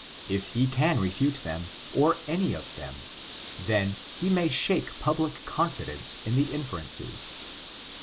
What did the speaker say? If he can refute them, or any of them, then, he may shake public confidence in the inferences.